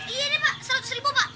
iya nih pak seratus ribu pak